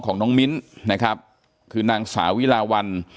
ของน้องมิ้นนะครับคือนางสาวิลาวัน